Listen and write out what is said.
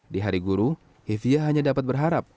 di hari guru hivia hanya dapat berharap